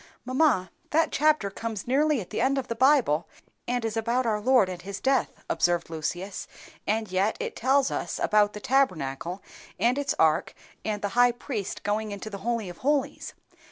"Mamma, that chapter comes nearly at the end of the Bible, and is about our Lord and his death," observed Lucius; "and yet it tells us about the Tabernacle, and its ark, and the high priest going into the Holy of holies.